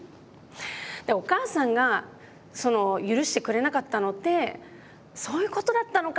お母さんがその許してくれなかったのってそういうことだったのか！